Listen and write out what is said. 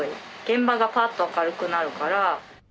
現場がパッと明るくなるから。